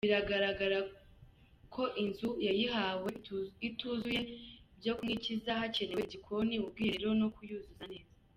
Bigaragara ko inzu yayihawe ituzuye byo kumwikiza, hakenewe igikoni, ubwihererero no kuyuzuza neza.